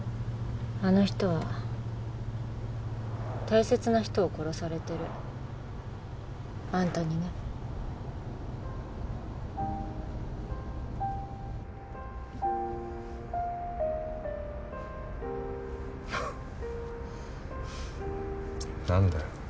あの人は大切な人を殺されてるあんたにねハッ何だよ？